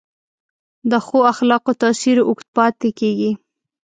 د ښو اخلاقو تاثیر اوږد پاتې کېږي.